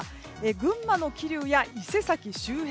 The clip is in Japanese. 群馬の桐生や伊勢崎周辺